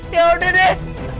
ya udah deh